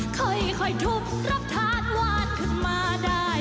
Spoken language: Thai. ค่อยทุบรับธาตุวาดขึ้นมาได้